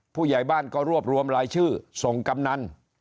ผู้ใหญ่บ้านก็รวบรวมรายชื่อส่งกำนัน